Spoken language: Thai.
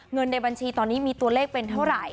เงินในบัญชีตอนนี้มีตัวเลขเป็นเท่าไหร่